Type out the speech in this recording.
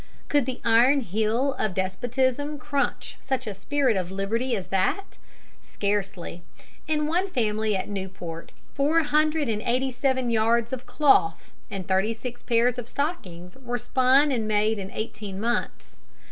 Could the iron heel of despotism crunch such a spirit of liberty as that? Scarcely. In one family at Newport four hundred and eighty seven yards of cloth and thirty six pairs of stockings were spun and made in eighteen months.